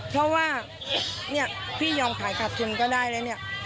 เพราะว่าเนี่ยพี่ยอมขายขาดทุนก็ได้แล้วเนี่ย